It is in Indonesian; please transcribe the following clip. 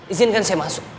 izinkan saya masuk